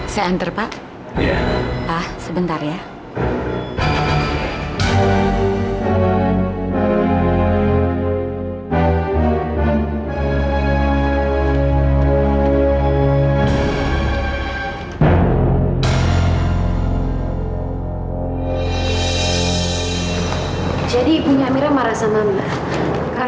saya antar pak